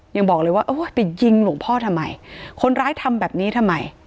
ยังบอกเลยว่าโอ้ยไปยิงหลวงพ่อทำไมคนร้ายทำแบบนี้ทำไม